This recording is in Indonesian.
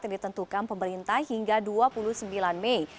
yang ditentukan pemerintah hingga dua puluh sembilan mei